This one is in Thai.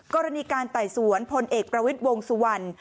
กรณีการไต่สวนพลเอกประวิทย์วงสุวรรณ